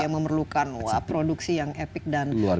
memerlukan produksi yang epic dan kolosal